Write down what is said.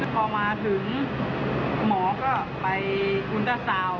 พอมาถึงหมอก็ไปอุตสาว